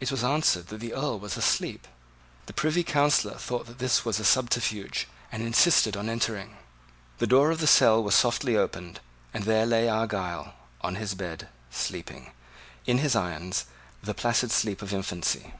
It was answered that the Earl was asleep. The Privy Councillor thought that this was a subterfuge, and insisted on entering. The door of the cell was softly opened; and there lay Argyle, on the bed, sleeping, in his irons, the placid sleep of infancy.